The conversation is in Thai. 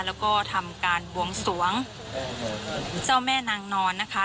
แล้วก็ทำการบวงสวงเจ้าแม่นางนอนนะคะ